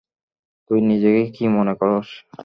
তুই নিজেকে কি মনে করস?